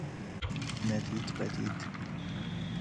ندید بدید